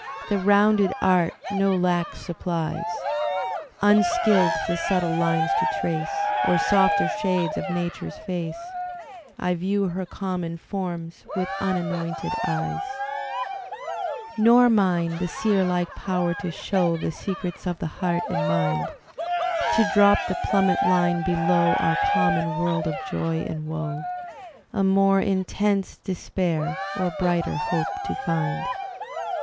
The rounded art no lack supplies; Unskilled the subtle lines to trace. Or softer shades of Nature's face, I view her common forms with unanointed eyes. Ill Digitized by Google 11« THE SPIRIT OP AMERICAN LITERATURE Nor mine the seer like power to show The secrets of the heart and mind; To drop the plummet Une below Our common world of joy and woe, A more intense despair or brighter hope to find.